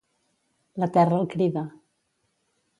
La terra el crida.